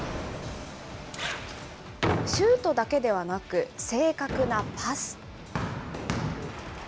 シュートだけではなく、正確なパス。